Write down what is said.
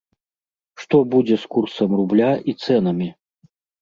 Што будзе з курсам рубля і цэнамі?